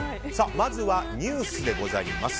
まずはニュースでございます。